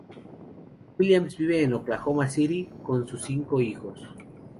Williams vive en Oklahoma City con sus cinco hijos.